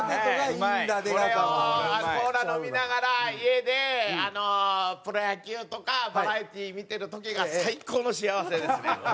これをコーラ飲みながら家でプロ野球とかバラエティー見てる時が最高の幸せですね